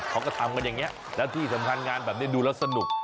เขาก็ทำกันอย่างนี้แล้วที่สำคัญงานแบบนี้ดูแล้วสนุก